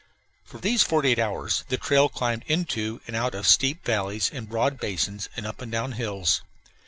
For these forty eight hours the trail climbed into and out of steep valleys and broad basins and up and down hills.